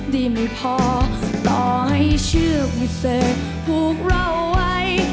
ดีไม่พอต่อให้เชื่อว่าเธอผูกเราไว้